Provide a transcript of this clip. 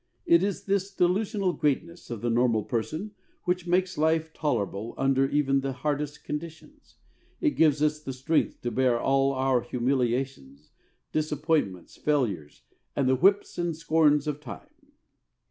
It is this delusional greatness of the normal person which makes life tolerable under even the hardest conditions. It gives us the strength to bear all our humiliations, disappointments, failures, and the "whips and scorns of time."